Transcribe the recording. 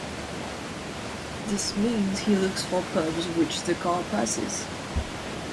This means he looks for pubs which the car passes.